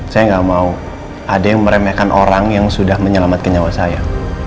saya nggak mau ada yang meremehkan orang yang sudah menyelamatkan nyawa saya